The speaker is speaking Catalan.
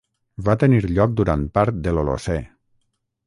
Va tenir lloc durant part de l'Holocè.